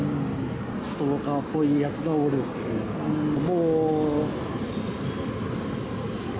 ストーカーっぽいやつがおるっていうか。